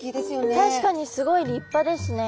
確かにすごい立派ですね。